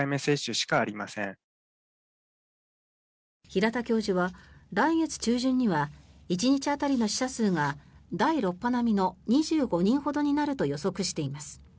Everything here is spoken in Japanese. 平田教授は、来月中旬には１日当たりの死者数が第６波並みの２５人ほどになると予測しています。